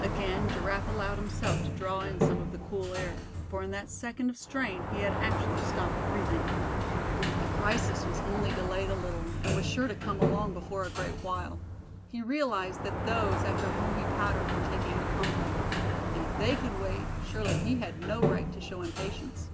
Again Giraffe allowed himself to draw in some of the cool air; for in that second of strain he had actually stopped breathing. The crisis was only delayed a little, and was sure to come along before a great while. He realized that those after whom he patterned were taking it calmly; and if they could wait, surely he had no right to show impatience.